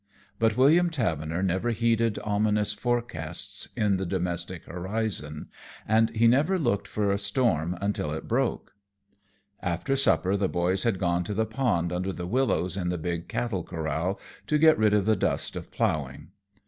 But William Tavener never heeded ominous forecasts in the domestic horizon, and he never looked for a storm until it broke. After supper the boys had gone to the pond under the willows in the big cattle corral, to get rid of the dust of plowing.